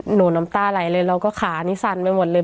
หนูน้ำตาไหลเลยแล้วก็ขานี่สั่นไปหมดเลย